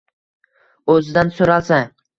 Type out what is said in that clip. O'zidan so'ralsa: